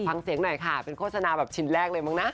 ฟังเสียงหน่อยค่ะเป็นโฆษณาแบบชิ้นแรกเลยมั้งนะ